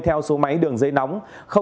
theo số máy đường dây nóng